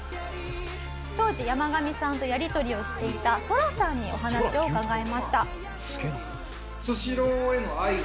当時ヤマガミさんとやりとりをしていた空さんにお話を伺いました。